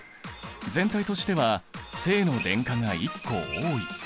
全体としては正の電荷が１個多い。